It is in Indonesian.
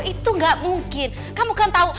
itu gak mungkin kamu kan tau